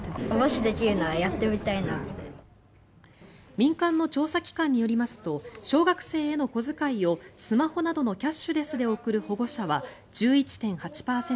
民間の調査機関によりますと小学生への小遣いをスマホなどのキャッシュレスで送る保護者は１１．８％